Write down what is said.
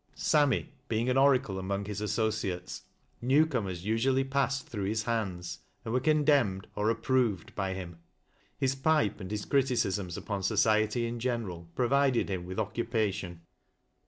Sammy being an oracle among his associates, new cornel's usually passed through his hands, and were condemned, or approved, by him. His pipe, and his criticisms upon society in general, provided him with occupation.